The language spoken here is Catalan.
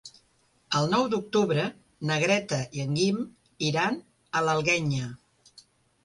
El nou d'octubre na Greta i en Guim iran a l'Alguenya.